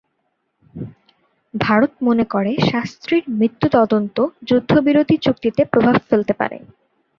ভারত মনে করে শাস্ত্রীর মৃত্যু তদন্ত যুদ্ধ বিরতি চুক্তিতে প্রভাব ফেলতে পারে।